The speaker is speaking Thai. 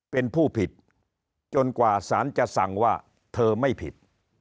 เป็นผู้ผิดจนกว่าสารจะสั่งว่าเธอไม่ผิด